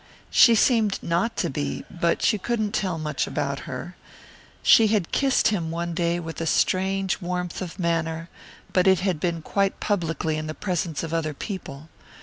She seemed not to be, but you couldn't tell much about her. She had kissed him one day with a strange warmth of manner, but it had been quite publicly in the presence of other people.